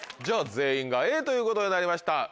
じゃあ全員がＡということになりました。